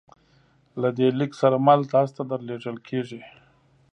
له دې لیک سره مل تاسو ته درلیږل کیږي